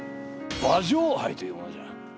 馬上杯というものじゃ。